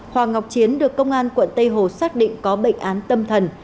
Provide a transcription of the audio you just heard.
hoàng ngọc chiến được công an quận tây hồ xác định có bệnh án tâm thần